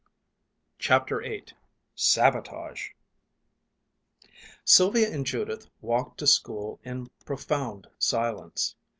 CHAPTER VIII SABOTAGE Sylvia and Judith walked to school in a profound silence.